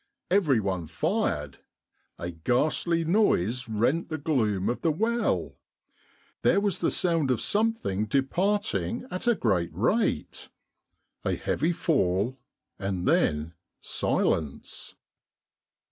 Every one fired — a ghastly noise rent the gloom of the well ; there was the sound of something departing at a great rate ; a heavy fall ; and then silence.